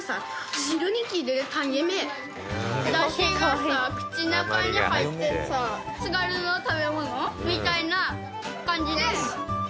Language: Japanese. ダシがさ口の中に入ってさ津軽の食べ物みたいな感じで。